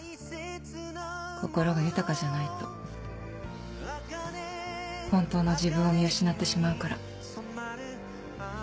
心が豊かじゃないと本当の自分を見失ってしまうから。